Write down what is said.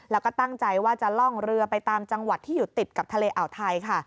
แล้วก็ตั้งใจว่าจะล่องเรือไปตามจังหวัดที่อยู่ติดกับทะเลอ่าวไทยค่ะ